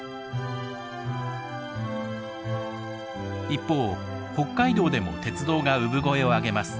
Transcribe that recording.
一方北海道でも鉄道が産声を上げます。